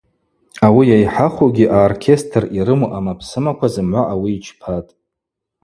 Ауи йайхӏахугьи, аоркестр йрыму аъамапсымаква зымгӏва ауи йчпатӏ.